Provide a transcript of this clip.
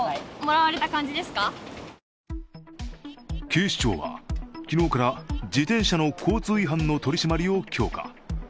警視庁は昨日から自転車の交通違反の取り締まりを強化。